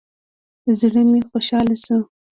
زړه مې خوشاله سو.